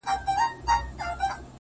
بيا دې په سجده کي په ژړا وينم”